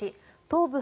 東部